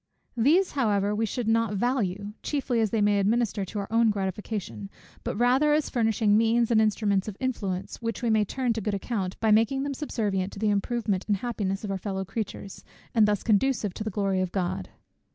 These however we should not value, chiefly as they may administer to our own gratification, but rather as furnishing means and instruments of influence, which we may turn to good account, by making them subservient to the improvement and happiness of our fellow creatures, and thus conducive to the glory of God.